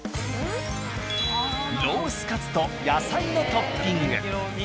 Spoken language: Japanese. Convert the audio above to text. ロースカツとやさいのトッピング。